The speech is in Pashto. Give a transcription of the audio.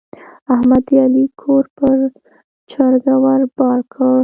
احمد د علي کور پر چرګه ور بار کړ.